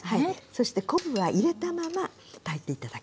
そして昆布は入れたまま炊いて頂きます。